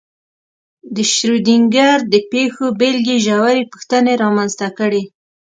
د شرودینګر د پیشو بېلګې ژورې پوښتنې رامنځته کړې.